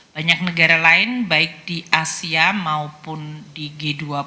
banyak negara lain baik di asia maupun di g dua puluh